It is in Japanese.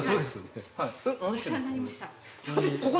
お世話になりました。